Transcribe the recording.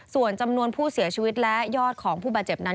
ส่วนจำนวนผู้เสียชีวิตและยอดของผู้บาดเจ็บนั้น